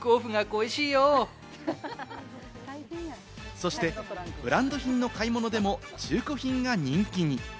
そして、ブランド品の買い物でも中古品が人気に。